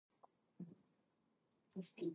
He played college football for the Virginia Cavaliers.